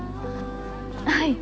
はい